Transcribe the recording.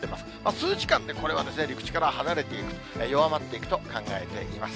数時間でこれは陸地から離れていく、弱まっていくと考えています。